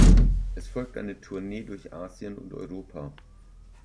Es folgte eine Tournee durch Asien und Europa.